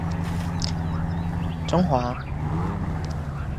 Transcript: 中华耳蕨为鳞毛蕨科耳蕨属下的一个种。